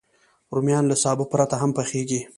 رومیان له سابه پرته هم پخېږي